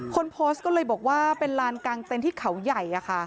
คนโพสต์ก็เลยบอกว่าเป็นลานกลางเต็นต์ที่เขาใหญ่